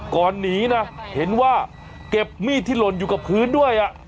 ก่อนหนีนะเห็นว่าเก็บมีดที่หล่นอยู่กับพื้นด้วย